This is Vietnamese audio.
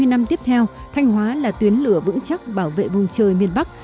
hai mươi năm tiếp theo thanh hóa là tuyến lửa vững chắc bảo vệ vùng trời miền bắc